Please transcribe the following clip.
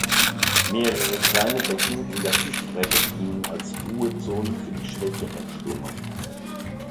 Mehrere kleine Becken in der Fischtreppe dienen als Ruhezone für die schwächeren Schwimmer.